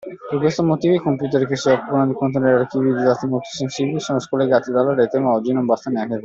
Per questo motivo i computer che si occupano di contenere archivi di dati molto sensibili sono scollegati dalla rete ma oggi non basta neanche quello.